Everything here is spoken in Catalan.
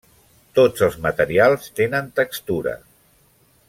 Tots els materials tenen textura.